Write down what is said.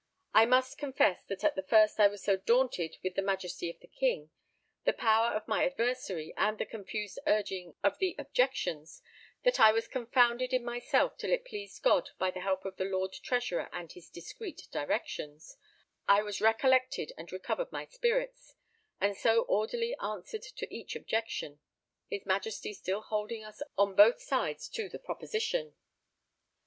I must confess that at the first I was so daunted with the majesty of the King, the power of my adversary, and the confused urging of the objections, that I was confounded in myself till it pleased God, by the helps of the Lord Treasurer and his discreet directions, I was recollected and recovered my spirits, and so orderly answered to each objection; his Majesty still holding us on both sides to the proposition.